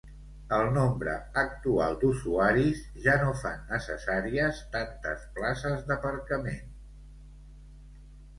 El nombre actual d'usuaris ja no fan necessàries tantes places d'aparcament.